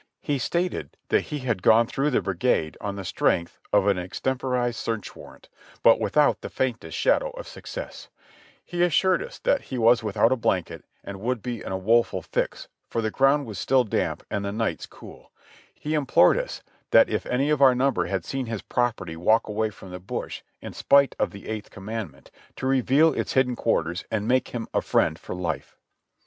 He stated that he had gone through the brigade on the strength of an extemporized search warrant, but without the faintest shadow of success ; he assured us that he was without a blanket and would be in a woeful fix, for the ground was still damp and the nights cool ; he implored us if any of our number had seen his property walk away from the bush in spite of the eighth commandment, to reveal its hidden quarters and make him a friend for life.